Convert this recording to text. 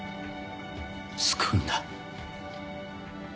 救うんだ。